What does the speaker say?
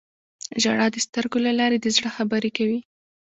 • ژړا د سترګو له لارې د زړه خبرې کوي.